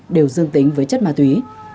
đều dương tính với chất ma túy